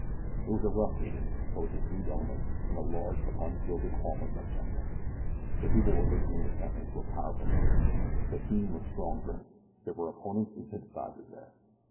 It was a rough meeting, composed of rude elements, in a large but ungilded hall in Whitechapel. The people were listening intently to a powerful speaker. The theme was strong drink. There were opponents and sympathisers there.